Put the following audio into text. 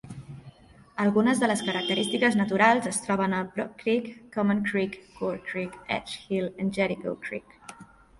Algunes de les característiques naturals es troben a Brock Creek, Common Creek, Core Creek, Edge Hill i Jericho Creek.